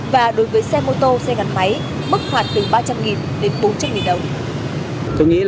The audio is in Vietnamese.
và đối với xe mô tô xe gắn máy mức phạt từ ba trăm linh đến bốn trăm linh đồng